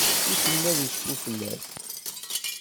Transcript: Wissen ma ad icfu fell-as?